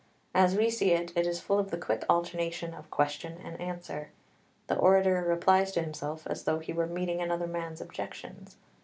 As we see it, it is full of the quick alternation of question and answer. The orator replies to himself as though he were meeting another man's objections.